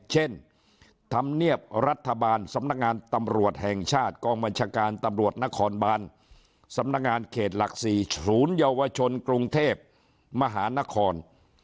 เช่นธรรมเนียบรัฐบาลสำนักงานตำรวจแห่งชาติกองบัญชาการตำรวจนครบานสำนักงานเขตหลัก๔ศูนยวชนกรุงเทพมหานคร